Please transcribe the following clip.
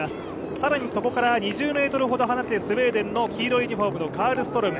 更にそこから２０ｍほど離れてスウェーデンの黄色いユニフォーム、カルストローム。